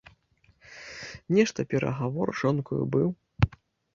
Нешта перагавор з жонкаю быў?